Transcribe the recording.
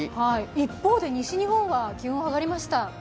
一方で、西日本は気温が上がりました。